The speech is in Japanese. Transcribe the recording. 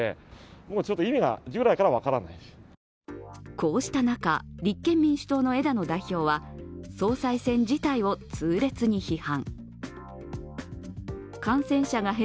こうした中、立憲民主党の枝野代表は総裁選自体を痛烈に批判。